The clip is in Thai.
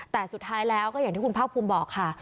แต่สุดท้ายแล้วก็อย่างที่คุณภาคภูมิบอกค่ะ